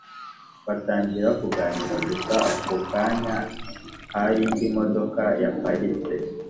batangira kuganira gusa akokanya harindi modoka yaparitse